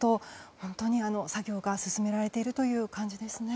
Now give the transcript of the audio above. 本当に作業が進められている感じですね。